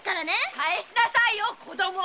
返しなさいよ子供を！